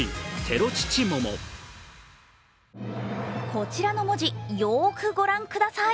こちらの文字、よーくご覧ください。